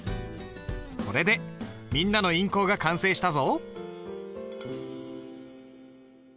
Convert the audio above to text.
これでみんなの印稿が完成したぞ。